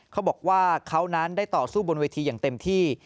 เขาบอกว่าเขานั้นได้ต่อสู้บนเวทีอย่างเต็มที่